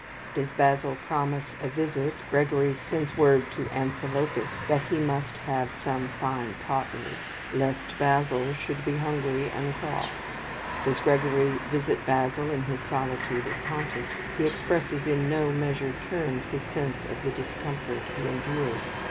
Does Basil promise a visit, Gregory sends word to Amphilochus that he must have some fine pot herbs, "lest Basil should be hungry and cross." Does Gregory visit Basil in his solitude at Pontus, he expresses in no measured terms his sense of the discomfort he endures.